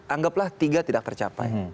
anggaplah tiga tidak tercapai